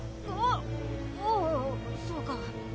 そうか。